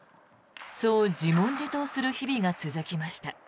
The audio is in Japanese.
そう自問自答する日々が続きました。